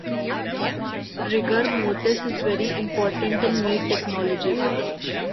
Rigor mortis is very important in meat technology.